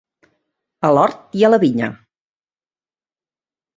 A l'hort i a la vinya.